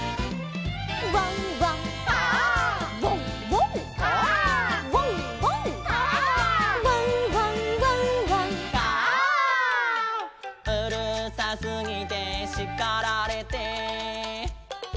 「ワンワン」「カァ」「ワンワン」「カァ」「ワンワン」「カァ」「ワンワンワンワン」「カァ」「うるさすぎてしかられて」